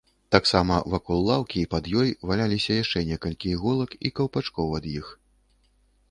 Таксама вакол лаўкі і пад ёй валяліся яшчэ некалькі іголак і каўпачкоў ад іх.